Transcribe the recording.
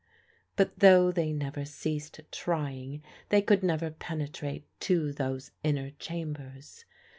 But though they never ceased trying, they could never penetrate to those inner chambers.